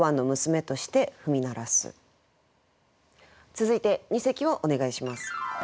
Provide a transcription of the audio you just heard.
続いて二席をお願いします。